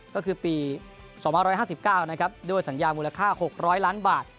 ก็คือปี๒๕๕๙นะครับด้วยสัญญามูลค่า๖๐๐ล้านบาท